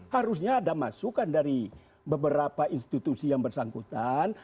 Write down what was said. harusnya ada masukan dari beberapa institusi yang bersangkutan